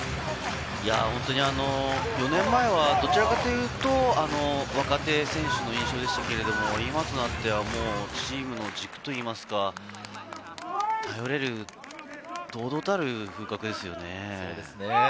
本当に４年前はどちらかというと若手選手の印象でしたけれど、今となっては、チームの軸といいますか、頼れる堂々たる風格ですよね。